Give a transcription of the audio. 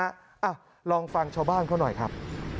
อ่ะลองฟังชาวบ้านเขาหน่อยครับ